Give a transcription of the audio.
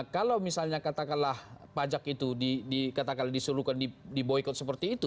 kalau misalnya katakanlah pajak itu di disuruhkan diboykot seperti itu